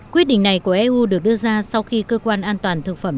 quyết định này của eu được đưa ra sau khi cơ quan an toàn thực phẩm